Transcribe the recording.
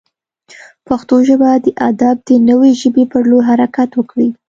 پښتو ژبه د ادب د نوې ژبې پر لور حرکت وکړي.